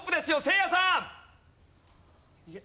せいやさん。